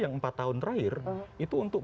yang empat tahun terakhir itu untuk